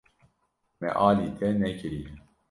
Me alî te nekiriye.